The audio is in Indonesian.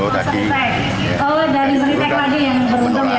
oh dari meritek lagi yang beruntung ya ini namanya siapa